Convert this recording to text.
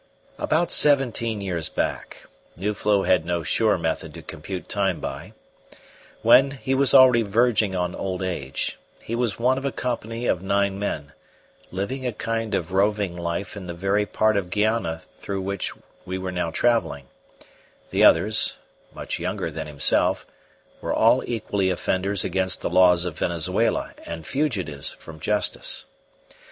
About seventeen years back Nuflo had no sure method to compute time by when he was already verging on old age, he was one of a company of nine men, living a kind of roving life in the very part of Guayana through which we were now travelling; the others, much younger than himself, were all equally offenders against the laws of Venezuela, and fugitives from justice.